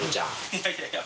いやいやいや。